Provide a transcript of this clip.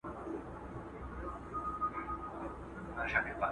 هره ورځ یو شان مه کار کوئ.